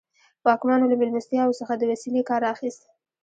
واکمنو له مېلمستیاوو څخه د وسیلې کار اخیست.